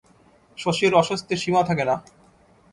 শশীর অস্বস্তির সীমা থাকে না।